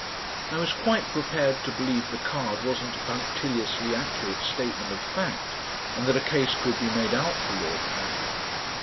I was quite prepared to believe the card wasn't a punctiliously accurate statement of fact, and that a case could be made out for Lord Pandram.